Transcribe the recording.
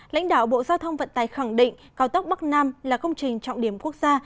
lãnh đạo bộ giao thông vận tải khẳng định cao tốc bắc nam là công trình trọng điểm quốc gia